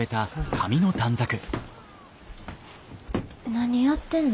何やってんの？